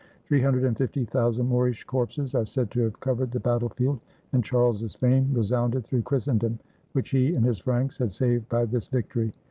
Three hundred and fifty thousand Moorish corpses are said to have covered the battle field; and Charles's fame resounded through Christendom, which he and his Franks had saved by this victory.